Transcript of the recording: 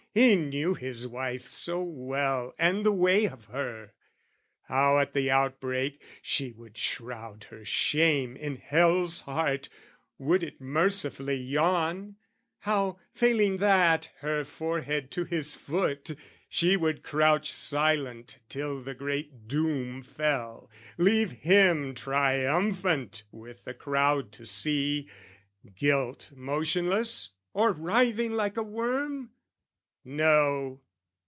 He knew his wife so well and the way of her How at the outbreak she would shroud her shame In hell's heart, would it mercifully yawn How, failing that, her forehead to his foot, She would crouch silent till the great doom fell, Leave him triumphant with the crowd to see! Guilt motionless or writhing like a worm? No!